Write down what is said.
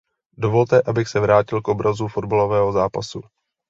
Dovolte, abych se vrátil k obrazu fotbalového zápasu.